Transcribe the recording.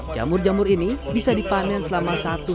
jamur jamur ini bisa dipanen selama satu setelah bulan